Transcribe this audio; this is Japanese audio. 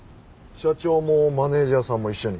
社長もマネジャーさんも一緒に？